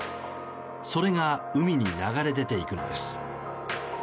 それが海に流れ出ていくのです。